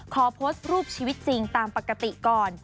ขอโพสต์รูปชีวิตจริงตามปกติก่อน